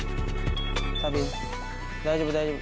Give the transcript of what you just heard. タビ大丈夫大丈夫。